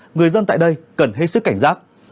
người dân tại đây cần hết sức cảnh giác